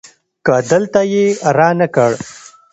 که دلته يي رانه کړ